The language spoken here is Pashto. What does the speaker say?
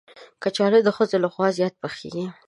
کچالو د ښځو لخوا زیات پخېږي